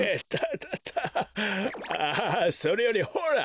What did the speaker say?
ああそれよりほら！